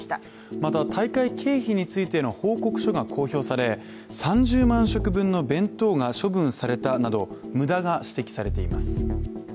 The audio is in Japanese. また、大会経費についての報告書が公開され３０万食分の弁当が処分されたなど無駄が指摘されています。